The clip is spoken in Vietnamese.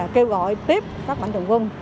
kêu gọi tiếp các mạnh thường quân